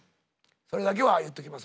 それだけは言っときますので。